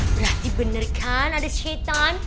berarti bener kan ada shitan